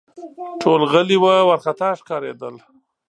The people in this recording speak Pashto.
ټول غلي وه ، وارخطا ښکارېدل